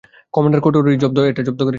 Commander কোটো রি এটা জব্দ করেছে।